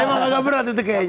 emang agak berat itu kayaknya